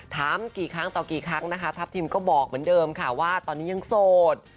ถามกี่ครั้งต่อกี่ครั้งนะคะทัพทิมก็บอกเหมือนเดิมค่ะว่าตอนนี้ยังโสด